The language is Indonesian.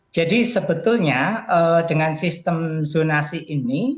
jadi sebetulnya dengan sistem zonasi ini